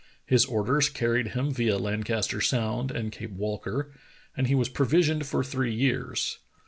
His orders carried him via Lan caster Sound and Cape Walker, and he was provisioned for three years.